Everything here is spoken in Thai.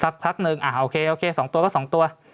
สักพักนึงอะโอเค๒ตัวก็๒ตัว